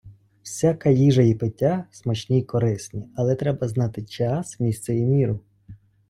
Всяка їжа і пиття смачні й корисні, але треба знати час, місце і міру.